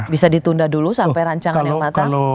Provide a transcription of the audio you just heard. bisa ditunda dulu sampai rancangannya matang